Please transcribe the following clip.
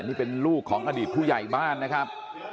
นี่เป็นลูกของอดีตผู้ใหญ่บ้านนะครับ